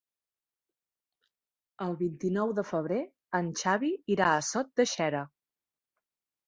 El vint-i-nou de febrer en Xavi irà a Sot de Xera.